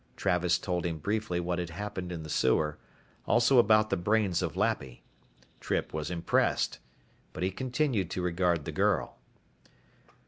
Travis told him briefly what had happened in the sewer, also about the brains of Lappy. Trippe was impressed. But he continued to regard the girl.